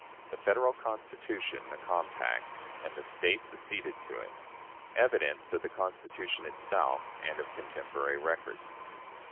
The Federal Constitution a Compact, and the States acceded to it. Evidence of the Constitution itself and of Contemporary Records.